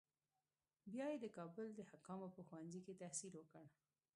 بیا یې د کابل د حکامو په ښوونځي کې تحصیل وکړ.